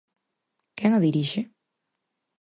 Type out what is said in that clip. ¿Quen a dirixe?